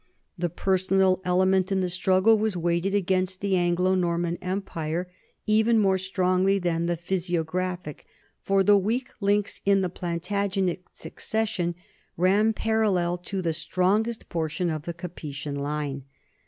The personal element in the struggle was weighted against the Anglo Norman empire even more strongly than the physiographic, for the weak links in the Plantagenet succession ran parallel to the strongest portion of the Capetian line.